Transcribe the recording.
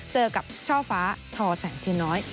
เจอกับช่อฟ้าทอแสงเทียนน้อย